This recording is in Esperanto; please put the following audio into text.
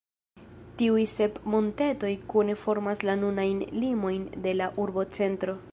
Tiuj sep montetoj kune formas la nunajn limojn de la urbocentro.